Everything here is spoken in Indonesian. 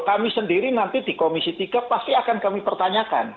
kami sendiri nanti di komisi tiga pasti akan kami pertanyakan